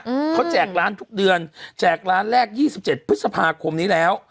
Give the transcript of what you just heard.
อืมเขาแจกร้านทุกเดือนแจกร้านแรกยี่สิบเจ็ดพฤษภาคมนี้แล้ว